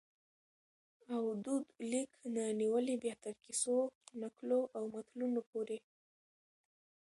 او دود لیک نه نیولي بیا تر کیسو ، نکلو او متلونو پوري